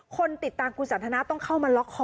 คนติดตามคุณสันทนาต้องเข้ามาล็อกคอ